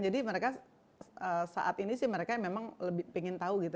jadi mereka saat ini sih mereka memang lebih pengen tahu gitu